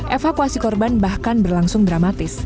evakuasi korban bahkan berlangsung dramatis